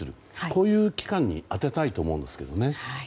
こういう期間に充てたいと思うんですけどね。